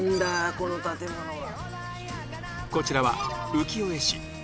この建物は。